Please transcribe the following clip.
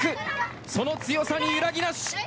その強さに揺らぎなし。